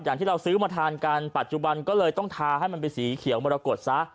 อย่างที่เราซื้อมาทานกันปัจจุบันก็เลยต้องทาให้มันเป็นสีเขียวมรกฏซะ